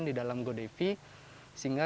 di dalam godevi sehingga